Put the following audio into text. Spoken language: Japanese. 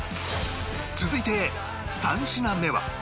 続いて３品目は